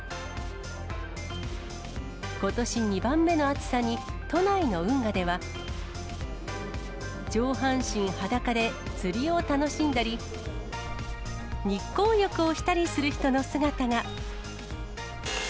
ことし２番目の暑さに、都内の運河では、上半身裸で、釣りを楽しんだり、日光浴をしたりする人の姿が。